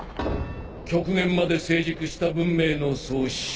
極限まで成熟した文明の創始者